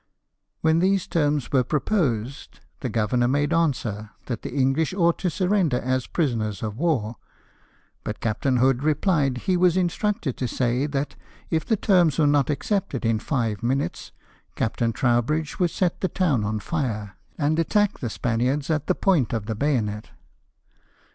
When these terms were proposed, the governor made answer that the English ought to surrender as prisoners of war ; but Captain Hood replied he was instructed to say that if the terms were not accepted in five minutes Captain Trowbridge would set the town on fire, and attack the Spaniards at the point of the bayonet.